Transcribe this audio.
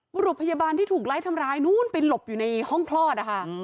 บุรุษพยาบาลที่ถูกไล่ทำร้ายนู้นไปหลบอยู่ในห้องคลอดนะคะ